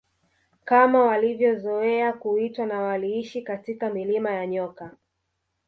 Kama walivyozoea kuitwa na waliishi katika milima ya nyoka